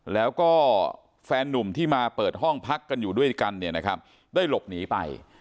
แล้วก็แฟนนุ่มที่มาเปิดห้องพักกันอยู่ด้วยกันเนี่ยนะครับได้หลบหนีไป